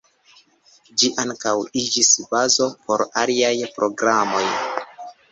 Ĝi ankaŭ iĝis bazo por aliaj programoj.